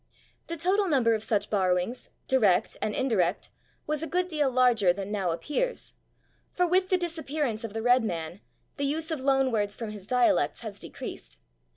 The total number of such borrowings, direct and indirect, was a good deal larger [Pg042] than now appears, for with the disappearance of the red man the use of loan words from his dialects has decreased.